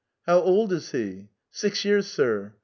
" How old is he ?"" Six years, sir."